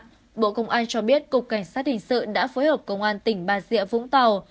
ngày ba một mươi một hai nghìn hai mươi ba bộ công an cho biết cục cảnh sát hình sự đã phối hợp công an tỉnh ba diệa vũng tàu